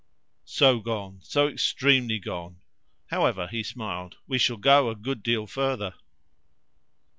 "So gone. So extremely gone. However," he smiled, "we shall go a good deal further."